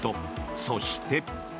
そして。